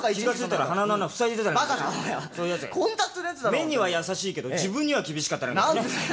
目には優しいけど自分には厳しかったりなんかしてね。